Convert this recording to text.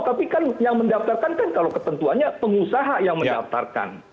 tapi kan yang mendaftarkan kan kalau ketentuannya pengusaha yang mendaftarkan